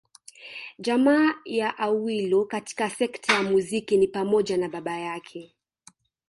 Jamaa ya Awilo katika sekta ya muziki ni pamoja na baba yake